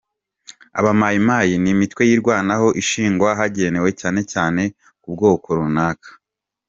Aba Maï-Maï ni imitwe yirwanaho ishingwa hagendewe cyane cyane ku bwoko runaka.